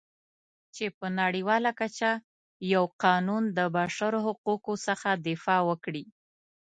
چې په نړیواله کچه یو قانون د بشرحقوقو څخه دفاع وکړي.